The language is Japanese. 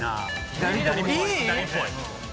左っぽい。